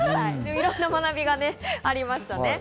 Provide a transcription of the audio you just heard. いろいろな学びがありましたね。